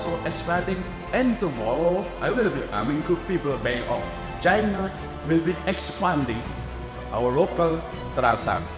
china akan mengembangkan transaksi lokal kita